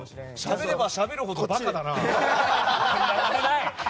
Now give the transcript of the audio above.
しゃべればしゃべるほど馬鹿だな。